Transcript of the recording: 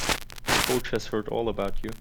Coach has heard all about you.